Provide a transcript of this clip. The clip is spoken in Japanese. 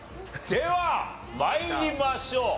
では参りましょう。